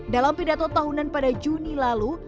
dalam pidato tahunan pada juni lalu